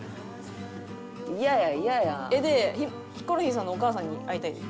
イヤやイヤや。でヒコロヒーさんのお母さんに会いたいです。